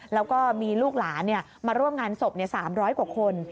แล้วก็มีลูกหลานมาร่วมงานศพ๓๐๐กว่าคน